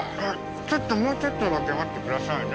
ちょっともうちょっとだけ待ってくださいね。